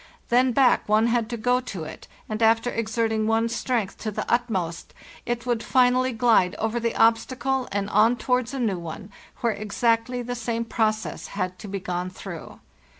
Then back one had to go to it, and after exerting one's strength to the utmost it would finally glide over the obstacle and on towards a new one, where exactly the same process had to be gone through.